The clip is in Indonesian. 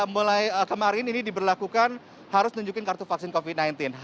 mulai kemarin ini diberlakukan harus nunjukin kartu vaksin covid sembilan belas